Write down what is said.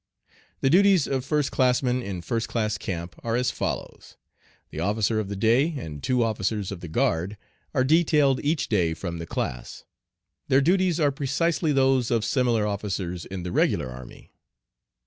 The duties of first classmen in first class camp are as follows: The officer of the day and two officers of the guard are detailed each day from the class. Their duties are precisely those of similar officers in the regular army.